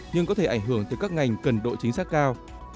nhưng có thể ảnh hưởng tới các ngành cần độ chính xác cao